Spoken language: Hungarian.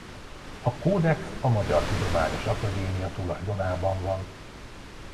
A kódex a Magyar Tudományos Akadémia tulajdonában van.